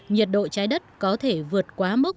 nhiệt độ trái đất có thể vượt quá mức